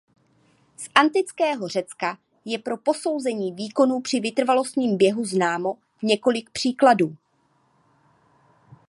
Z antického Řecka je pro posouzení výkonů při vytrvalostním běhu známo několik příkladů.